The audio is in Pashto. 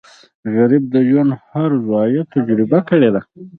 غریب د ژوند هر زاویه تجربه کړې ده